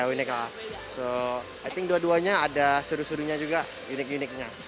jadi saya pikir dua duanya ada seru serunya juga unik uniknya